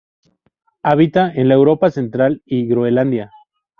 Habita en la Europa Central y Groenlandia.